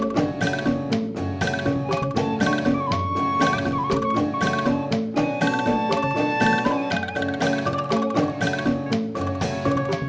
tasik tasik tasik